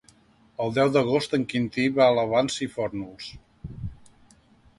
El deu d'agost en Quintí va a la Vansa i Fórnols.